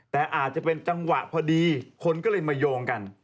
แต่อาจจะเป็นจังหวะพอดีคนก็เลยมาโยงกัน